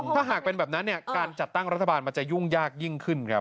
ถ้าหากเป็นแบบนั้นเนี่ยการจัดตั้งรัฐบาลมันจะยุ่งยากยิ่งขึ้นครับ